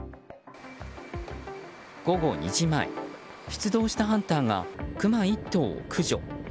午後２時前、出動したハンターがクマ１頭を駆除。